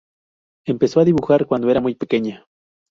Empezó a dibujar cuando era muy pequeña.